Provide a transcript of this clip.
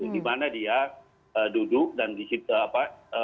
di mana dia duduk dan di situ apa